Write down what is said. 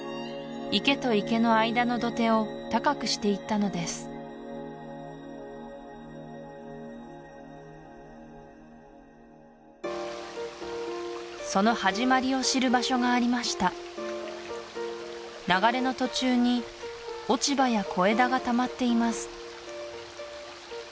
池と池の間の土手を高くしていったのですその始まりを知る場所がありました流れの途中に落ち葉や小枝がたまっています